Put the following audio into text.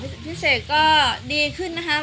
พี่เสกหรอพี่เสกก็ดีขึ้นนะครับ